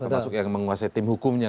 termasuk yang menguasai tim hukumnya